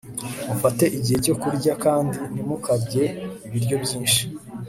mufate igihe cyo kurya kandi ntimukarye ibiryo byinshi